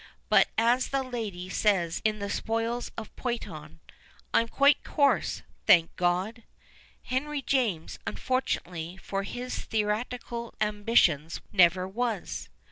But, as the lady says in 'The Spoils of Poynton, " I'm quite coarse, thank God !'' Henry James, imfortunately for his theatrical ambitions, never was.